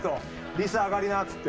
理佐上がりなっつって。